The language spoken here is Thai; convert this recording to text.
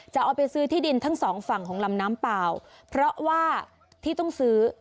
จะเอาไปซื้อที่ดินทั้งสองฝั่งของลำน้ำเปล่าเพราะว่าที่ต้องซื้อ